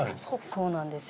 そうなんですよ。